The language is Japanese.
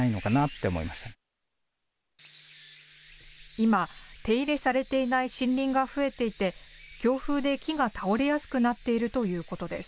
今、手入れされていない森林が増えていて強風で木が倒れやすくなっているということです。